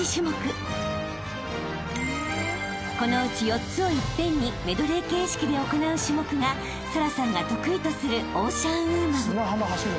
［このうち４つをいっぺんにメドレー形式で行う種目が沙羅さんが得意とするオーシャンウーマン］